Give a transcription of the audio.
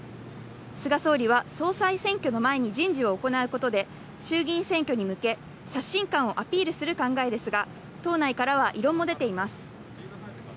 菅総理は総裁選挙の前に人事を行うことで衆議院選挙に向け刷新感をアピールする考えですが、党内からは異論も出ています。